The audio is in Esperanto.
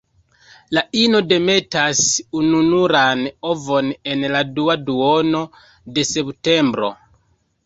La ino demetas ununuran ovon en la dua duono de septembro.